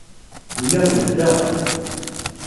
Lliɣ beddeɣ.